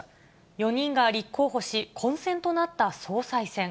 ４人が立候補し、混戦となった総裁選。